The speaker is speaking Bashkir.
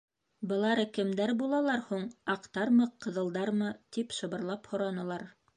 — Былар кемдәр булалар һуң, аҡтармы, ҡыҙылдармы? — тип шыбырлап һоранылар.